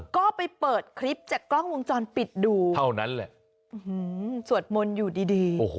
ก็ไปเปิดคลิปจากกล้องวงจรปิดดูสวดมนตร์อยู่ดี